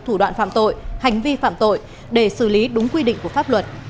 thủ đoạn phạm tội hành vi phạm tội để xử lý đúng quy định của pháp luật